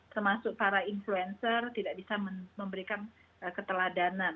termasuk para influencer tidak bisa memberikan keteladanan